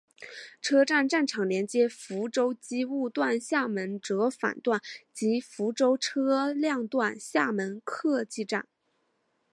车站站场连接福州机务段厦门折返段及福州车辆段厦门客技站。